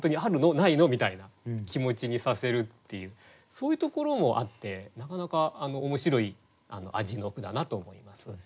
ないの？みたいな気持ちにさせるっていうそういうところもあってなかなか面白い味の句だなと思います。